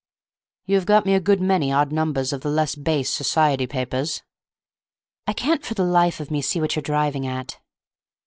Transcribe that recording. "You have got me a good many odd numbers of the less base society papers." "I can't for the life of me see what you're driving at."